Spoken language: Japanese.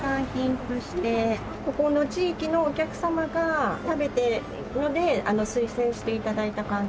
ここの地域のお客様が食べて推薦して頂いた感じ。